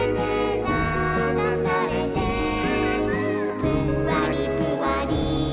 「ぷんわりぷわり」